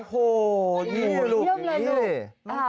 โอ้โฮเยี่ยมเลยลูก